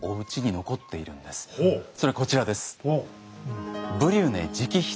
それこちらです。